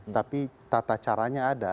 tapi tata caranya ada